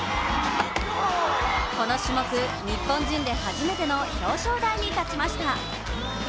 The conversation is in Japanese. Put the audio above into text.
この種目、日本人で初めての表彰台に立ちました。